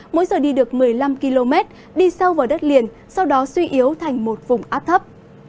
mỗi giờ đi được một mươi năm km đi sâu vào đất liền sau đó suy yếu thành một vùng áp thấp